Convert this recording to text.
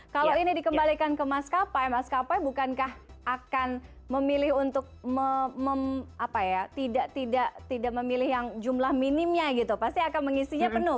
kalau ini dikembalikan ke maskapai maskapai bukankah akan memilih untuk tidak memilih yang jumlah minimnya gitu pasti akan mengisinya penuh